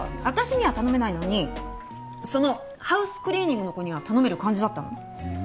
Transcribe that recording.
私には頼めないのにそのハウスクリーニングの子には頼める感じだったの？